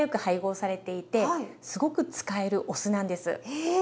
へえ。